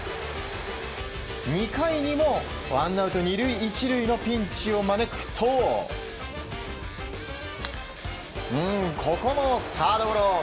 ２回にもワンアウト２塁１塁のピンチを招くとここもサードゴロ。